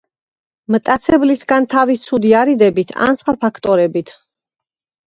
მტაცებლისგან თავის ცუდი არიდებით, ან სხვა ფაქტორებით.